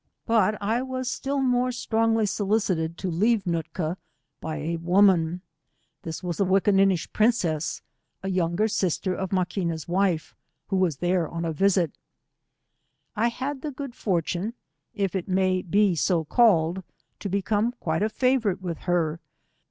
^ But I was still more strongly solicited to leave Nootka by a woman. This was a Wickinninish princess, a younger sister of Maquina's wife, who was there on a visit. I had the good fortune, if it may be so called, to become quite a favourite with her.